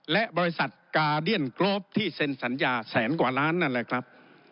และบริษัทกาเดียนกรฟที่เซ็นสัญญาแสนกว่าล้านนั่นแหละครับ